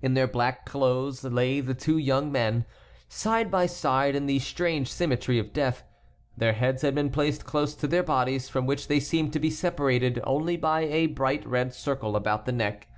In their black clothes lay the two young men, side by side, in the strange symmetry of death. Their heads had been placed close to their bodies, from which they seemed to be separated only by a bright red circle about the neck.